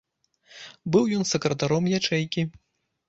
Быў ён сакратаром ячэйкі.